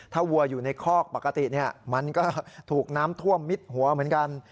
ถ้าวัวอยู่ในคอกปกติมันก็ถูกน้ำท่วมมิดหัวเหมือนกัน